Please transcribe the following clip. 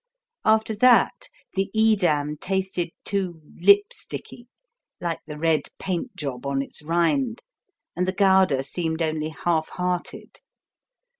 After that the Edam tasted too lipsticky, like the red paint job on its rind, and the Gouda seemed only half hearted.